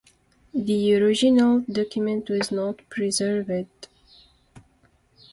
The original document was not preserved.